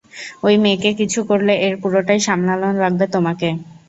ঐ মেয়েকে কিছু করলে এর পুরোটাই সামলানো লাগবে তোমাকে।